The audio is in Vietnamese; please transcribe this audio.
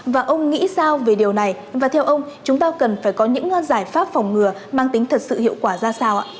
và ông nghĩ sao về điều này và theo ông chúng ta cần phải có những giải pháp phòng ngừa mang tính thật sự hiệu quả ra sao ạ